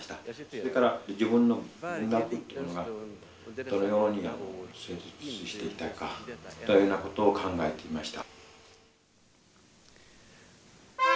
それから自分の文学というのがどのように成立していたかというようなことを考えていました。